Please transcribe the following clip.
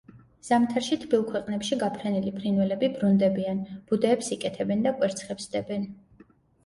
ზამთარში, თბილ ქვეყნებში გაფრენილი ფრინველები ბრუნდებიან, ბუდეებს იკეთებენ და კვერცხებს დებენ.